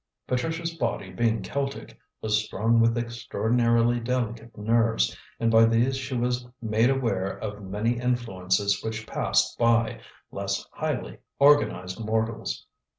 Patricia's body being Celtic, was strung with extraordinarily delicate nerves, and by these she was made aware of many influences which passed by less highly organized mortals.